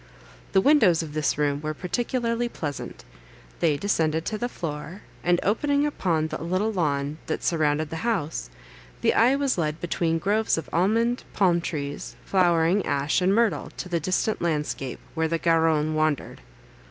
The windows of this room were particularly pleasant; they descended to the floor, and, opening upon the little lawn that surrounded the house, the eye was led between groves of almond, palm trees, flowering ash, and myrtle, to the distant landscape, where the Garonne wandered.